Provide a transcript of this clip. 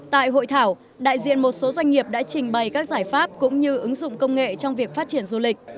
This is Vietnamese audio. tại hội thảo đại diện một số doanh nghiệp đã trình bày các giải pháp cũng như ứng dụng công nghệ trong việc phát triển du lịch